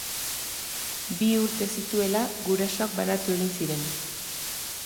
Bi urte zituela gurasoak banatu egin ziren.